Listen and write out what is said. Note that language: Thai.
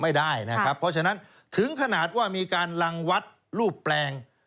ไม่ได้นะครับเพราะฉะนั้นถึงขนาดว่ามีการลังวัดรูปแปลง